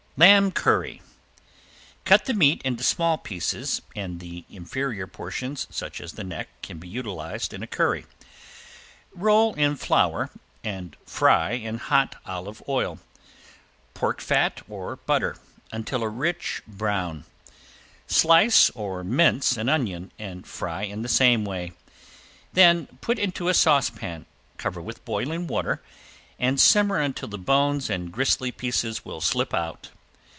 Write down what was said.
~LAMB CURRY~ Cut the meat into small pieces, (and the inferior portions, such as the neck can be utilized in a curry), roll in flour and fry in hot olive oil, pork fat, or butter, until a rich brown. Mince or slice an onion and fry in the same way. Then put into a saucepan, cover with boiling water, and simmer until the bones and gristly pieces will slip out.